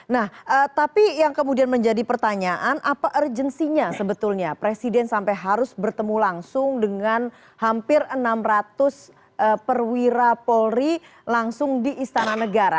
nah tapi yang kemudian menjadi pertanyaan apa urgensinya sebetulnya presiden sampai harus bertemu langsung dengan hampir enam ratus perwira polri langsung di istana negara